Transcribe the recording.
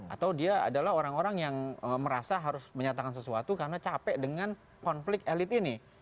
atau dia adalah orang orang yang merasa harus menyatakan sesuatu karena capek dengan konflik elit ini